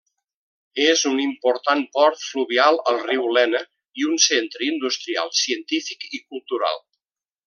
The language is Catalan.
És un important port fluvial al riu Lena, i un centre industrial, científic i cultural.